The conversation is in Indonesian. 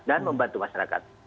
dan membantu masyarakat